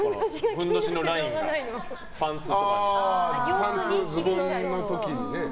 ふんどしのラインがズボンの時にね。